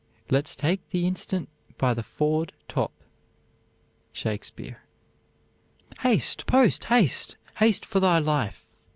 Let's take the instant by the forward top. SHAKESPEARE. "Haste, post, haste! Haste for thy life!"